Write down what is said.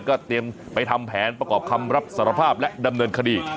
ก็เตรียมไปทำแผนประกอบคำรับสารภาพและดำเนินคดี